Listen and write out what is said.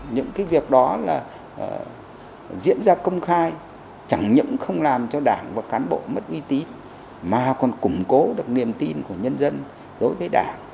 những cái việc đó là diễn ra công khai chẳng những không làm cho đảng và cán bộ mất uy tín mà còn củng cố được niềm tin của nhân dân đối với đảng